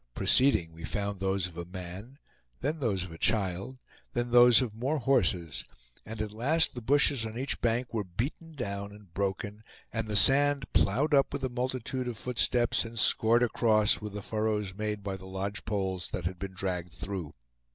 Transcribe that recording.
Proceeding we found those of a man, then those of a child, then those of more horses; and at last the bushes on each bank were beaten down and broken, and the sand plowed up with a multitude of footsteps, and scored across with the furrows made by the lodge poles that had been dragged through.